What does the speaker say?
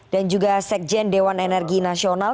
dan juga sekjen dewan energi nasional